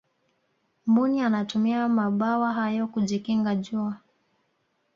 mbuni anatumia mabawa hayo kujikinga jua